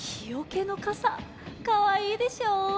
かわいいでしょ？